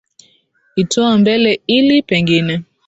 itoa mbele ili pengine